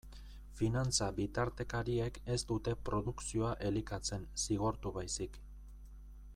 Finantza-bitartekariek ez dute produkzioa elikatzen, zigortu baizik.